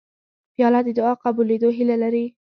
پیاله د دعا قبولېدو هیله لري